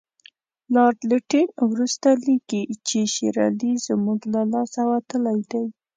لارډ لیټن وروسته لیکي چې شېر علي زموږ له لاسه وتلی دی.